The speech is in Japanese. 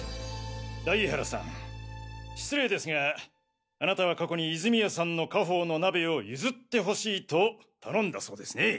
大江原さん失礼ですがあなたは過去に泉谷さんの家宝の鍋を譲ってほしいと頼んだそうですね。